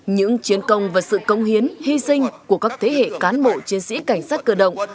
những chiến công và sự công hiến hy sinh của các thế hệ cán bộ chiến sĩ cảnh sát cơ động